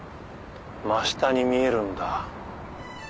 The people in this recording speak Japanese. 真下に見えるんだ。